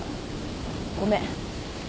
ごめん。